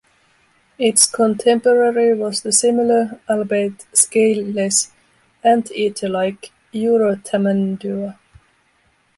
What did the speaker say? Its contemporary was the similar, albeit scale-less, anteater-like "Eurotamandua".